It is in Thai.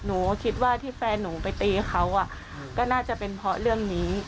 หนูก็คิดว่าที่แฟนหนูไปตีเขาก็น่าจะเป็นเพราะเรื่องนี้